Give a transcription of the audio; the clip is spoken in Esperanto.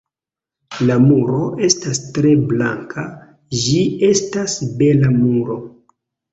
La muro estas tre blanka, ĝi estas bela muro.